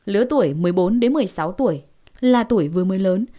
lứa tuổi một mươi bốn một mươi sáu tuổi là tuổi vừa mới lớn